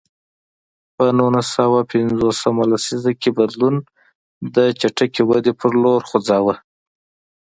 په نولس سوه پنځوس لسیزه کې بدلون د چټکې ودې په لور خوځاوه.